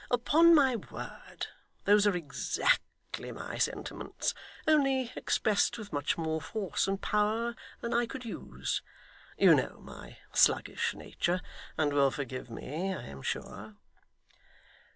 Upon my word, those are exactly my sentiments, only expressed with much more force and power than I could use you know my sluggish nature, and will forgive me, I am sure.